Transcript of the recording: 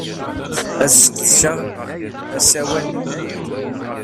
Ad sqedceɣ asawal-nwent.